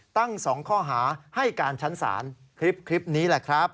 ตั้ง๒ข้อหาให้การชั้นศาลคลิปนี้แหละครับ